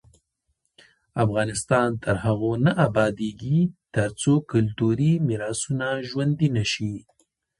افغانستان تر هغو نه ابادیږي، ترڅو کلتوري میراثونه ژوندي نشي.